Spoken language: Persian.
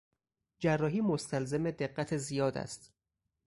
جراحی مستلزم دقت زیاد است.